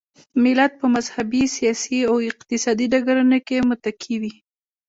ملت په مذهبي، سیاسي او اقتصادي ډګرونو کې متکي وي.